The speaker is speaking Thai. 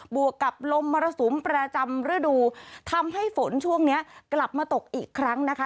วกกับลมมรสุมประจำฤดูทำให้ฝนช่วงนี้กลับมาตกอีกครั้งนะคะ